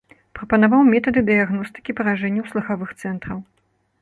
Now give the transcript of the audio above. Прапанаваў метады дыягностыкі паражэнняў слыхавых цэнтраў.